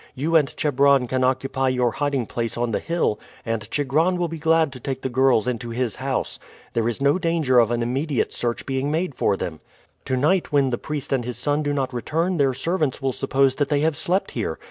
You and Chebron can occupy your hiding place on the hill, and Chigron will be glad to take the girls into his house. There is no danger of an immediate search being made for them. "To night when the priest and his son do not return their servants will suppose that they have slept here.